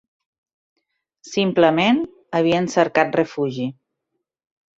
Simplement, havien cercat refugi